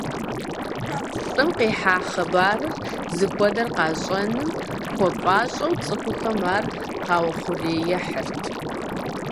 ЛӀым къихьа хъыбарыр зыхуэдэр къащӀэным хуэпӀащӀэу цӀыхухэм ар къаухъуреихьырт.